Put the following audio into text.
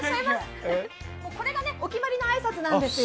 これがね、お決まりの挨拶なんですよ。